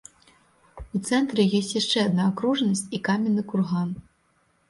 У цэнтры ёсць яшчэ адна акружнасць і каменны курган.